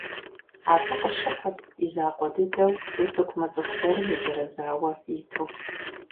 Абы къыщыхъурт и закъуэ дыдэу утыку мыцӀыху гуэрым иджэрэзауэ иту.